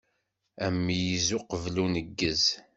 Ameyyez uqbel uneggez.